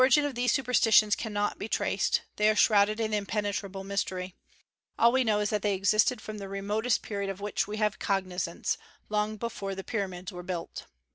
The origin of these superstitions cannot be traced; they are shrouded in impenetrable mystery. All that we know is that they existed from the remotest period of which we have cognizance, long before the pyramids were built.